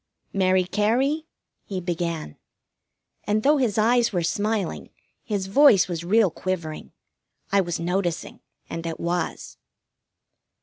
"Mary Cary," he began. And though his eyes were smiling, his voice was real quivering. I was noticing, and it was.